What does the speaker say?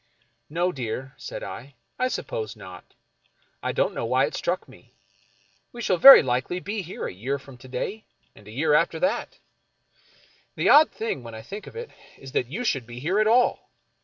" No, dear," said I, " I suppose not. I don't know why it struck me. We shall very likely be here a year from to day, and a year from that. The odd thing, when I think of it, is that you should be here at all.